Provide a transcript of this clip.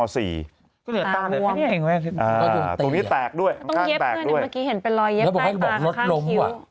ตากว้มตรงนี้แตกด้วยต้องเย็บด้วยเมื่อกี้เห็นเป็นรอยเย็บใต้ตาข้างคิว